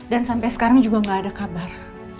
dan sampai sekarang juga gak ada kabar